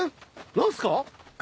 何すか？